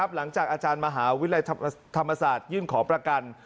หลังจากอาจารย์มหาวิทยาลัยธรรมศาสตร์ยื่นขอประกัน